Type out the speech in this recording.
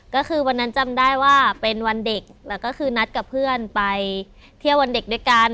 ก็คือวันนั้นจำได้ว่าเป็นวันเด็กแล้วก็คือนัดกับเพื่อนไปเที่ยววันเด็กด้วยกัน